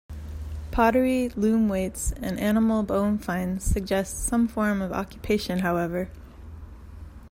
Pottery, loom weights and animal bone finds suggest some form of occupation however.